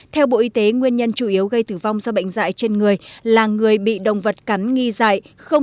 theo bộ y tế nguyên nhân chủ yếu gây tử vong do bệnh dạy trên người là người bị động vật cắn nghi dại